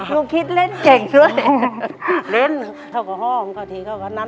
ลูกคิดเล่นเก่งซะ